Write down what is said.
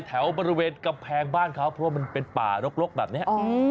แถวบริเวณกำแพงบ้านเขาเพราะว่ามันเป็นป่ารกแบบนี้